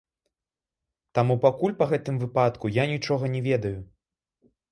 Таму пакуль па гэтым выпадку я нічога не ведаю.